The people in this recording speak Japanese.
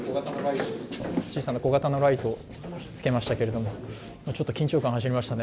小さな小型のライトをつけましたけど、ちょっと緊張感が走りましたね。